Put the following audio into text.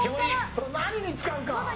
これを何に使うか。